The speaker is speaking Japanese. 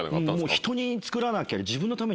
人に作らなきゃ。